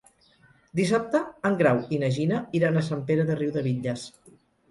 Dissabte en Grau i na Gina iran a Sant Pere de Riudebitlles.